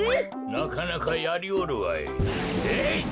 なかなかやりおるわい。